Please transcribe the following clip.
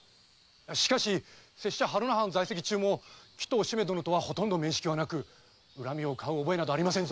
しかし拙者榛名藩在籍中も鬼頭殿とはほとんど面識はなく恨みを買う覚えなどありません。